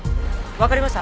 わかりました。